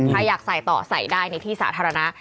ถ้าอยากใส่ต่อใส่ได้ในที่สาธารณะ